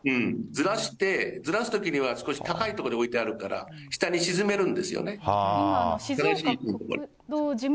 ずらして、ずらすときには少し高い所に置いてあるから、下に沈めるんですよね。